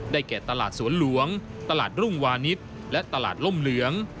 แก่ตลาดสวนหลวงตลาดรุ่งวานิสและตลาดล่มเหลือง